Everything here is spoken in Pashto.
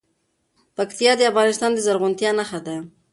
پکتیا د افغانستان د زرغونتیا نښه ده.